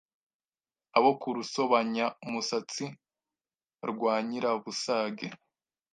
Abo ku Rusobanyamusatsi rwa Nyirabusage